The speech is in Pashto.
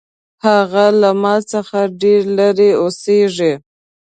هغه له ما څخه ډېر لرې اوسیږي